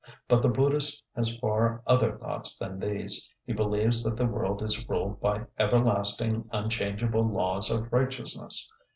But the Buddhist has far other thoughts than these. He believes that the world is ruled by everlasting, unchangeable laws of righteousness.